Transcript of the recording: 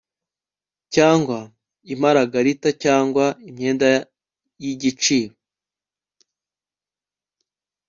cyangwa imaragarita cyangwa imyenda y igiciro